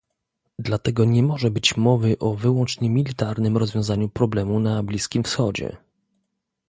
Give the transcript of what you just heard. Dlatego nie może być mowy o wyłącznie militarnym rozwiązaniu problemu na Bliskim Wschodzie